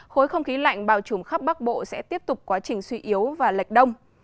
khối không khí lạnh bao trùm khắp bắc bộ sẽ tiếp tục quá trình suy yếu và lệch đông